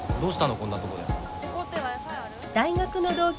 こんなとこで。